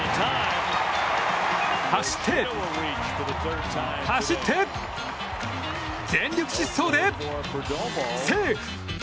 走って、走って全力疾走でセーフ！